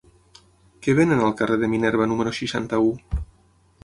Què venen al carrer de Minerva número seixanta-u?